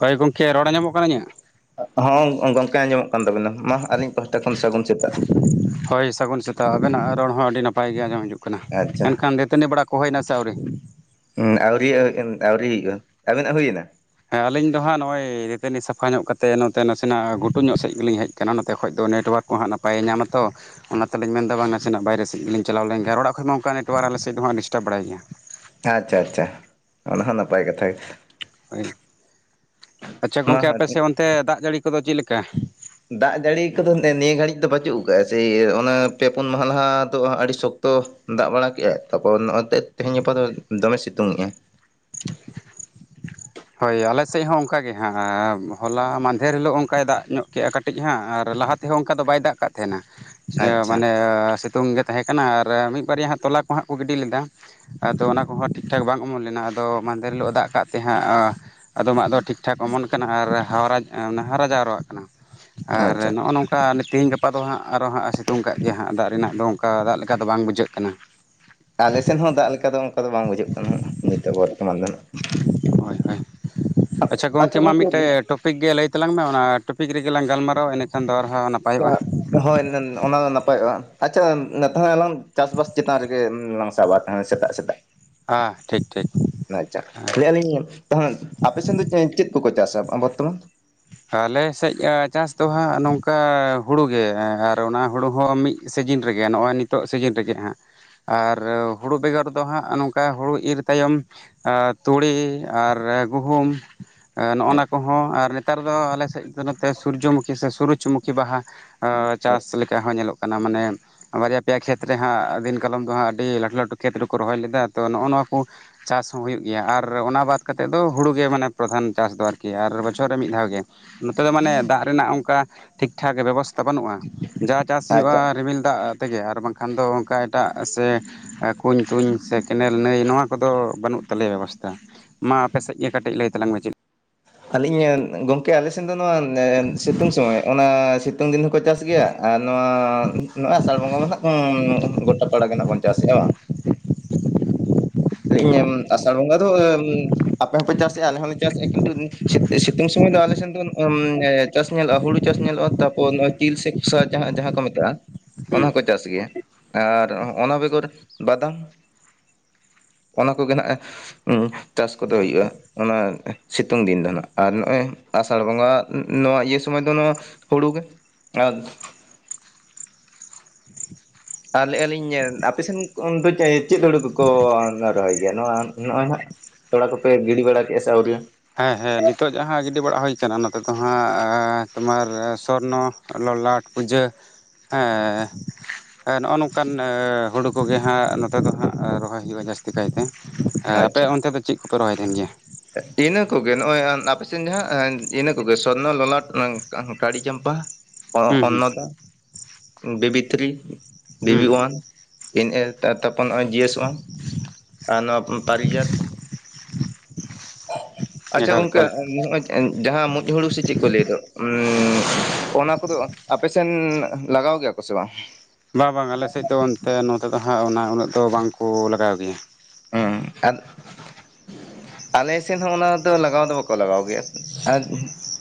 ᱦᱳᱭ ᱜᱚᱢᱠᱮ ᱨᱚᱲᱟ ᱟ ᱧᱚᱢᱚᱜ ᱠᱟᱱᱟ ᱤᱧᱭᱟᱜ ᱦᱚᱸ ᱜᱚᱝᱠᱮ ᱟᱸᱡᱚᱢᱚᱜ ᱠᱟᱱ ᱛᱟᱵᱤᱱᱟ ᱢᱟ ᱟᱹᱞᱤᱧ ᱯᱟᱦᱟᱴᱟ ᱠᱷᱚᱱ ᱥᱟᱜᱩᱱ ᱦᱳᱭ ᱥᱟᱹᱜᱩᱱ ᱥᱮᱛ ᱟᱜ ᱟᱵᱮᱱᱟᱜ ᱨᱚᱲ ᱦᱚᱸ ᱟᱹᱰᱤ ᱱᱟᱯᱟᱭ ᱜᱮ ᱟᱸᱡᱚᱢ ᱦᱤᱡᱩᱜ ᱠᱟᱱᱟ ᱟᱪᱪᱷᱟ ᱮᱱᱠᱷᱟᱱ ᱫᱟᱹᱛᱟᱹᱱᱤ ᱵᱮᱲᱟ ᱠᱚ ᱦᱩᱭᱱᱟ ᱥᱮ ᱟᱹᱣᱨᱤ ᱦᱩᱸ ᱟᱣᱨᱤ ᱟᱹᱣᱨᱤ ᱦᱩᱭᱩᱜ ᱟᱵᱤᱱᱟᱜ ᱦᱩᱭ ᱠᱟᱱᱟ ᱦᱮᱸ ᱟᱹᱞᱤᱧ ᱫᱚ ᱦᱟᱸᱜ ᱱᱚᱜᱼᱚᱭ ᱨᱟᱹᱛᱟᱹᱱᱤ ᱥᱟᱯᱷᱟ ᱧᱚᱜ ᱠᱟᱛᱮᱛ ᱱᱚᱛᱮ ᱱᱟᱥᱮᱱᱟᱜ ᱜᱷᱩ ᱧᱚᱜ ᱥᱮᱫ ᱜᱮᱞᱤᱧ ᱦᱮᱡ ᱟᱠᱟᱱᱟ ᱱᱚᱛᱮ ᱠᱷᱚᱡ ᱫᱚ ᱱᱮᱴᱣᱟᱨᱠ ᱠᱚ ᱦᱟᱸᱜ ᱱᱟᱯᱟᱭᱮ ᱧᱟᱢᱟ ᱛᱚ ᱚᱱᱟᱛᱮᱞᱤᱧ ᱢᱮᱱ ᱮᱫᱟ ᱵᱟᱝ ᱱᱟᱥᱮᱱᱟᱜ ᱵᱟᱭᱨᱮ ᱥᱮᱫ ᱞᱮᱞᱤᱧ ᱪᱟᱞᱟᱣ ᱞᱮᱱ ᱜᱮ ᱨᱚᱲ ᱟᱠᱷᱚᱡ ᱢᱟ ᱚᱱᱠᱟ ᱱᱮᱴᱣᱟᱨᱠ ᱟᱞᱮ ᱥᱮᱫ ᱫᱚ ᱦᱚᱸᱜ ᱰᱤᱥᱴᱟᱵ ᱵᱟᱲᱟᱭ ᱜᱮᱭᱟ [inaudible] ᱟᱪᱪᱷᱟ ᱟᱪᱪᱷᱟ ᱚᱱᱟ ᱦᱚ ᱱᱟᱯᱟᱭ ᱠᱟᱛᱷᱟ ᱜᱮ ᱟᱪᱪᱷᱟ ᱢᱟ ᱜᱚᱝᱠᱮ ᱟᱯᱮᱥᱮᱫ ᱚᱱᱛᱮ ᱫᱟᱜ ᱡᱟᱹᱲᱤ ᱠᱚᱫᱚ ᱪᱮᱫ ᱞᱮᱠᱟ᱾ ᱫᱟᱜ ᱡᱟᱹᱲᱤ ᱠᱚᱫᱚ ᱱᱤᱭᱟᱹ ᱜᱷᱟᱹᱲᱤᱡ ᱫᱚ ᱯᱟᱪᱩᱜ ᱠᱟᱜᱼᱟ ᱥᱮ ᱚᱱᱟ ᱯᱮ ᱯᱩᱱ ᱢᱟᱦᱟ ᱞᱟᱦᱟ ᱫᱚ ᱟᱹᱰᱤ ᱥᱚᱠᱛᱚ ᱫᱟᱜ ᱵᱟᱲᱟ ᱠᱮᱫᱟᱭ ᱛᱟᱨᱯᱚᱨ ᱱᱚᱜᱼᱚᱭᱛᱮ ᱛᱮᱦᱮᱧ ᱜᱟᱯᱟ ᱫᱚ ᱫᱚᱢᱮ ᱥᱤᱛᱩᱝᱮᱜᱼᱟᱭ᱾ [unintelligible] ᱦᱳᱭ ᱟᱞᱮᱥᱮᱫ ᱦᱚᱸ ᱚᱱᱠᱟᱟᱮ ᱦᱟᱸᱜ ᱦᱚᱞᱟ ᱢᱟᱫᱷᱮᱨ ᱦᱤᱞᱳᱜ ᱚᱱᱠᱟᱭ ᱫᱟᱜ ᱧᱚᱜ ᱠᱮᱫᱼᱟ ᱠᱟᱹᱴᱤᱡ᱾ ᱠᱟᱹᱴᱤᱡ ᱦᱟᱸᱜ ᱟᱨ ᱞᱟᱦᱟ ᱛᱮᱦᱚᱸ ᱚᱱᱠᱟ ᱫᱚ ᱵᱟᱭ ᱫᱟᱜ ᱠᱟᱜ ᱛᱟᱦᱮᱱᱟ, ᱟᱪᱪᱷᱟ ᱢᱟᱱᱮ ᱥᱤᱛᱩᱝ ᱜᱮ ᱛᱟᱦᱮᱸ ᱠᱟᱱᱟ, ᱟᱨ ᱢᱤᱫ ᱵᱟᱨᱭᱟ ᱦᱟᱸᱜ ᱛᱚᱞᱟ ᱠᱚ ᱦᱟᱸᱜ ᱠᱚ ᱜᱤᱰᱤ ᱞᱮᱫᱟ᱾ ᱟᱫᱚ ᱚᱱᱟ ᱠᱚᱦᱚᱸ ᱴᱷᱤᱠᱴᱷᱟᱠ ᱵᱟᱝ ᱚᱢᱚᱱ ᱞᱮᱱᱟ ᱟᱫᱚ ᱢᱟᱫᱮᱨ ᱦᱤᱞᱳᱜ ᱫᱟᱜ ᱠᱟᱜ ᱛᱮ ᱦᱟᱸᱜ ᱟᱫᱚᱢᱟᱜ ᱫᱚ ᱴᱷᱤᱠᱴᱷᱟᱠ ᱚᱢᱚᱱ ᱠᱟᱱᱟ ᱟᱨ ᱦᱟᱣᱨᱟᱡ ᱦᱟᱨᱟ ᱡᱟᱣᱨᱟᱜ ᱠᱟᱱᱟ ᱟᱨ ᱟᱪᱪᱷᱟ ᱱᱚᱜᱼᱚ ᱱᱚᱝᱠᱟ ᱚᱱᱠᱟᱮ ᱛᱮᱦᱮᱧ ᱜᱟᱯᱟ ᱫᱚ ᱦᱟᱸᱜ ᱟᱨᱚ ᱦᱟᱸᱜ ᱥᱤᱛᱩᱝ ᱠᱫ ᱜᱮᱭᱟ ᱦᱟᱸᱜ ᱫᱟᱜ ᱨᱮᱱᱟᱜ ᱫᱚ ᱚᱱᱠᱟ ᱫᱟᱜ ᱞᱮᱠᱟ ᱫᱚ ᱵᱟᱝ ᱵᱩᱡᱷᱟᱹᱜ ᱠᱟᱱᱟ᱾ ᱟᱞᱮ ᱥᱮᱫ ᱦᱚᱸ ᱫᱟᱜ ᱞᱮᱠᱟ ᱫᱚ ᱚᱱᱠᱟ ᱫᱚ ᱵᱟᱝ ᱵᱩᱡᱷᱟᱹᱜ ᱠᱟᱱᱟ ᱦᱟᱜ ᱱᱤᱛᱚᱜ ᱵᱚᱨᱛᱚᱢᱟᱱ ᱫᱚ ᱦᱳᱭ ᱦᱳᱭ ᱟᱪᱪᱷᱟ ᱜᱚᱢᱠᱮ ᱢᱟ ᱜᱚᱝᱠᱮ ᱢᱤᱫᱴᱮᱡ [unintelligible] ᱴᱚᱯᱤᱠ ᱜᱮ ᱞᱟᱹᱭ ᱛᱟᱞᱟᱝ ᱢᱮ ᱚᱱᱟ ᱴᱚᱯᱤᱠ ᱨᱮᱜᱮᱞᱟᱝ ᱜᱟᱞᱢᱟᱨᱟᱣᱟ᱾ ᱤᱱᱟᱹᱠᱷᱟᱱ ᱫᱚ ᱟᱨᱦᱚᱸ ᱚᱱᱟ ᱦᱳᱭ ᱚᱱᱟ ᱫᱚ ᱱᱟᱯᱟᱭᱚᱜᱼᱟ ᱟᱪᱪᱷᱟ ᱛᱟᱦᱚᱞᱮ ᱟᱞᱟᱝ ᱪᱟᱥᱵᱟᱥ ᱪᱮᱛᱟᱱ ᱨᱮᱜᱮ ᱞᱟᱝ ᱪᱟᱵᱟ ᱛᱟᱦᱮᱱᱟ ᱥᱮᱛᱟᱜ ᱥᱮᱛᱟᱜ ᱦᱮᱸ ᱴᱷᱤᱠ ᱴᱷᱤᱠ ᱟᱪᱪᱷᱟ ᱞᱟᱹᱭᱟᱞᱤᱧ ᱛᱟᱦᱮ ᱟᱯᱮᱥᱮᱱ ᱫᱚ ᱪᱮᱫ ᱠᱚᱠᱚ ᱪᱟᱥᱟ ᱵᱚᱨᱛᱚᱢᱟᱱ? ᱟᱞᱮ ᱥᱮᱫ ᱪᱟᱥ ᱫᱚ ᱦᱟᱸᱜ ᱱᱚᱝᱠᱟ ᱦᱩᱲᱩ ᱜᱮ, ᱟᱨ ᱚᱱᱟ ᱦᱩᱲᱩ ᱦᱚᱸ ᱢᱤᱫ ᱥᱤᱡᱤᱱ ᱨᱮᱜᱮ ᱱᱚᱜᱼᱚᱭ ᱱᱤᱛᱚᱜ ᱥᱤᱡᱤᱱ ᱨᱮᱜᱮ ᱦᱟᱸᱜ᱾ ᱟᱨ ᱦᱩᱲᱩ ᱵᱮᱜᱚᱨ ᱫᱚ ᱦᱟᱸᱜ ᱱᱚᱝᱠᱟ ᱦᱳᱲᱩ ᱤᱨᱻ ᱛᱟᱭᱚᱢ ᱛᱩᱲᱤ ᱟᱨ ᱜᱩᱦᱩᱢ ᱱᱚᱜᱼᱚ ᱱᱟ ᱠᱚᱦᱚᱸ ᱟᱨ ᱱᱮᱛᱟᱨ ᱫᱚ ᱟᱞᱮᱥᱮᱫ ᱫᱚ ᱱᱚᱛᱮ ᱥᱩᱨᱡᱚᱢᱩᱠᱷᱤ ᱥᱮ ᱥᱩᱨᱩᱡᱽ ᱢᱩᱠᱷᱤ ᱵᱟᱦᱟ ᱪᱟᱥ ᱞᱮᱠᱟ ᱦᱚᱸ ᱧᱮᱞᱚᱜ ᱠᱟᱱᱟ ᱢᱟᱱᱮ ᱵᱟᱨᱭᱟ ᱯᱮᱭᱟ ᱠᱷᱮᱛ ᱨᱮ ᱦᱟᱸᱜ ᱟᱹ ᱫᱤᱱ ᱠᱟᱞᱚᱢ ᱫᱚ ᱦᱟᱸᱜ ᱟᱹᱰᱤ ᱞᱟᱹᱴᱩ ᱞᱟᱹᱴᱩ ᱠᱷᱮᱛ ᱨᱮᱠᱚ ᱨᱚᱦᱚᱭ ᱞᱮᱫᱟ ᱾ ᱛᱚ ᱱᱚᱜᱼᱚ ᱱᱚᱣᱟ ᱠᱚ ᱪᱟᱥ ᱦᱚᱸ ᱦᱩᱭᱩᱜ ᱜᱮᱭᱟ ᱟᱨ ᱚᱱᱟ ᱵᱟᱫ ᱠᱟᱛᱮᱜ ᱫᱚ ᱦᱩᱲᱩ ᱜᱮ ᱢᱟᱱᱮ ᱯᱨᱚᱫᱷᱟᱱ ᱪᱟᱥ ᱫᱚ ᱟᱨᱠᱤ ᱟᱨ ᱵᱚᱪᱷᱚᱨ ᱢᱤᱫ ᱫᱷᱟᱣ ᱜᱮ, ᱱᱚᱛᱮ ᱫᱚ ᱢᱟᱱᱮ ᱫᱟᱜ ᱨᱮᱱᱟᱜ ᱚᱱᱠᱟ ᱴᱷᱤᱠ ᱴᱷᱟᱠ ᱵᱮᱵᱚᱥᱛᱷᱟ ᱵᱟᱹᱱᱩᱜᱼᱟ᱾ ᱡᱟ ᱪᱟᱥ ᱦᱩᱭᱩᱜᱼᱟ ᱟᱪᱪᱷᱟ ᱨᱤᱢᱤᱞ ᱫᱟᱜ ᱛᱮᱜᱮ ᱟᱨ ᱵᱟᱝᱠᱷᱟᱱ ᱫᱚ ᱚᱱᱠᱟ ᱮᱴᱟᱜ ᱥᱮ ᱠᱩᱧ ᱛᱩᱧ ᱥᱮ ᱠᱮᱱᱮᱞ ᱱᱟᱹᱭ ᱱᱚᱣᱟ ᱠᱚᱫᱚ ᱵᱟᱹᱱᱩᱜ ᱛᱟᱞᱮᱭᱟ ᱵᱮᱵᱚᱥᱛᱷᱟ᱾ ᱢᱟ ᱟᱯᱮ ᱥᱮᱫ ᱜᱮ ᱠᱟᱹᱴᱤᱡ ᱞᱟᱹᱭ ᱛᱟᱞᱟᱝ ᱢᱮ ᱪᱮᱫ? ᱟᱹᱞᱤᱧ ᱜᱚᱝᱠᱮ ᱟᱞᱮ ᱥᱮᱱ ᱫᱚ ᱱᱚᱣᱟ ᱥᱤᱛᱩᱝ ᱥᱚᱢᱚᱭ ᱚᱱᱟ ᱥᱤᱛᱩᱝ ᱫᱤᱱ ᱦᱚᱸᱠᱚ ᱪᱟᱥ ᱜᱮᱭᱟ, ᱟᱨ ᱱᱚᱣᱟ ᱱᱚᱜᱚᱭ ᱟᱥᱟᱲ ᱵᱚᱸᱜᱟ ᱢᱟ ᱱᱟᱦᱟᱜ ᱜᱚᱴᱟ ᱯᱟᱲᱟᱮ ᱱᱟᱦᱟᱜ ᱵᱚᱱ ᱪᱟᱥᱮᱜ-ᱟ ᱵᱟᱝ [unintelligible] [unintelligible] ᱤᱧ ᱟᱥᱟᱲ ᱵᱚᱸᱜᱟ ᱫᱚ [unintelligible] ᱟᱯᱮ ᱦᱚᱸᱯᱮ ᱪᱟᱥ ᱟᱞᱮ ᱦᱚᱸᱞᱮ ᱪᱟᱥ ᱠᱤᱱᱛᱩ ᱥᱤᱛᱩᱝ ᱥᱚᱢᱚᱭ ᱫᱚ ᱟᱞᱮᱱ [unintelligible] ᱪᱟᱥ ᱧᱮᱞᱚᱜᱼᱟ ᱦᱩᱲᱩ ᱪᱟᱥ ᱧᱮᱞᱚᱜᱼᱟ ᱛᱟᱯᱚᱨ ᱱᱚᱜ ᱛᱤᱞ ᱥᱮ ᱠᱚᱥᱟ ᱡᱟᱦᱟᱸ ᱡᱟᱦᱟᱸ ᱠᱚ ᱢᱮᱛᱟᱜᱼᱟ᱾ ᱚᱱᱟ ᱦᱩᱸ ᱦᱚᱸᱠᱚ ᱪᱟᱥ ᱜᱮᱭᱟ ᱟᱨ ᱚᱱᱟ ᱵᱮᱜᱚᱨ ᱵᱟᱫᱟᱢ᱾ ᱚᱱᱟ ᱠᱚᱜᱮ ᱱᱟᱜ [unintelligible] ᱪᱟᱥ ᱠᱚᱫᱚ ᱦᱩᱭᱩᱜᱼᱟ᱾ ᱚᱱᱟ ᱥᱤᱛᱩᱝ ᱫᱤᱱ ᱫᱚ ᱱᱟᱜ ᱟᱨ ᱱᱚᱜᱼᱚᱭ ᱟᱥᱟᱲ ᱵᱚᱸᱜᱟ ᱱᱚᱣᱟ ᱤᱭᱟᱹ ᱥᱚᱢᱚᱭ ᱫᱚ ᱱᱚᱣᱟ ᱦᱩᱲᱩ ᱜᱮ ᱟ ᱟᱨ ᱞᱟᱹᱭᱮᱫᱼᱟ ᱞᱤᱧ ᱟᱯᱮ ᱥᱮᱱ ᱫᱚ ᱪᱮᱫ ᱦᱩᱲᱩ ᱠᱚᱠᱚ ᱨᱚᱦᱚᱭ ᱜᱮᱭᱟ? ᱱᱚᱣᱟ ᱱᱚᱜᱼᱚᱭ ᱱᱟᱸᱜ ᱛᱚᱲᱟ ᱠᱚ ᱯᱮ ᱜᱤᱰᱤ ᱵᱟᱲᱟ ᱠᱮᱜ ᱟᱥᱟ ᱟᱹᱣᱨᱤ? ᱦᱮᱸ ᱦᱮᱸ ᱱᱤᱛᱚᱜ ᱡᱟᱦᱟᱸ ᱜᱤᱰᱤ ᱵᱟᱲᱟ ᱦᱩᱭ ᱟᱠᱟᱱᱟ ᱚᱱᱟ ᱛᱮ ᱫᱚ ᱦᱟᱸᱜ ᱛᱳᱢᱟᱨ ᱥᱚᱨᱱᱚ ᱞᱚᱞᱟᱴ ᱯᱩᱡᱟᱹ ᱦᱮᱸ ᱱᱚᱜᱼᱚ ᱱᱚᱝᱠᱟᱱ ᱦᱩᱲᱩ ᱠᱚᱜᱮ ᱦᱟᱸᱜ ᱱᱚᱛᱮ ᱫᱚ ᱦᱟᱸᱜ ᱨᱚᱦᱚᱭ ᱦᱩᱭᱩᱜᱼᱟ ᱡᱟᱹᱥᱛᱤ ᱠᱟᱭᱛᱮ᱾ ᱦᱮᱸ ᱟᱯᱮ ᱟᱪᱪᱷᱟ ᱚᱱᱛᱮ ᱫᱚ ᱪᱮᱫ ᱠᱚᱯᱮ ᱨᱚᱦᱚᱭ ᱛᱟᱦᱮᱱ ᱜᱮᱭᱟ? ᱤᱱᱟᱹ ᱠᱚᱜᱮ ᱱᱚᱜᱼᱚᱭ ᱟᱯᱮᱥᱮᱱ ᱡᱟᱦᱟᱸ ᱤᱱᱟᱹ ᱠᱚᱜᱮ ᱥᱚᱨᱱᱚ ᱞᱚᱞᱟᱴ ᱠᱟ ᱠᱟᱲᱤ ᱪᱟᱢᱯᱟ᱾ ᱦᱩᱸ ᱦᱩᱸ ᱚᱱᱱᱚᱫᱟ ᱵᱤᱵᱤ ᱛᱷᱨᱤ, ᱦᱩᱸ ᱵᱤᱵᱤ ᱚᱣᱟᱱ ᱦᱩᱸ ᱾ ᱯᱤᱱ ᱮ ᱛᱟᱨᱯᱚᱨ ᱱᱚᱜᱼᱚᱭ ᱡᱤ ᱮᱥ ᱚᱣᱟᱱ ᱟᱨ ᱱᱚᱣᱟ ᱛᱟ ᱛᱟᱨᱤᱡᱟᱛ ᱟᱪᱪᱷᱟ ᱮᱠᱟᱞ ᱜᱚᱝᱠᱮ ᱮᱠᱟᱞ ᱱᱚᱜᱼᱚᱭ ᱡᱟᱦᱟᱸ ᱢᱩᱡ ᱦᱩᱲᱩ ᱥᱮ ᱪᱮᱫ ᱠᱚ ᱞᱟᱹᱭ ᱫᱚ ᱚᱱᱟ ᱠᱚᱫᱚ ᱟᱯᱮᱥᱮᱱ ᱞᱟᱜᱟᱣ ᱜᱮᱭᱟ ᱠᱚ? ᱠᱚᱥᱮ ᱵᱟᱝ? ᱵᱟᱝ ᱵᱟᱝ ᱟᱞᱮᱥᱮᱫ ᱫᱚ ᱚᱱᱛᱮ ᱱᱚᱛᱮ ᱫᱚ ᱦᱟᱸᱜ ᱚᱱᱟ ᱩᱱᱟᱹᱜ ᱫᱚ ᱵᱟᱝᱠᱚ ᱞᱟᱜᱟᱣ ᱜᱮᱭᱟ᱾ ᱦᱩ [unintelligible] ᱟᱞᱮ ᱥᱮᱱ ᱦᱚᱸ ᱚᱱᱟ ᱫᱚ ᱞᱟᱜᱟᱣ ᱫᱚ ᱵᱟᱠᱚ ᱞᱟᱜᱟᱣ ᱜᱮᱭᱟ ᱟᱨ